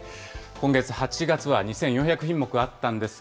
今月、８月は２４００品目あったんです